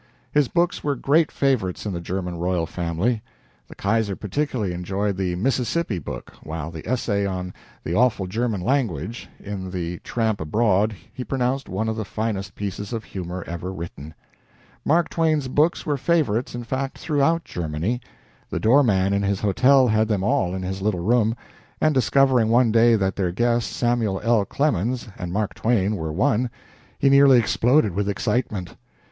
His books were great favorites in the German royal family. The Kaiser particularly enjoyed the "Mississippi" book, while the essay on "The Awful German Language," in the "Tramp Abroad," he pronounced one of the finest pieces of humor ever written. Mark Twain's books were favorites, in fact, throughout Germany. The door man in his hotel had them all in his little room, and, discovering one day that their guest, Samuel L. Clemens, and Mark Twain were one, he nearly exploded with excitement.